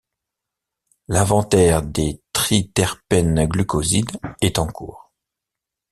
L'inventaire des triterpènes-glucosides est en cours.